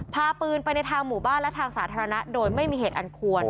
พาปืนไปในทางหมู่บ้านและทางสาธารณะโดยไม่มีเหตุอันควร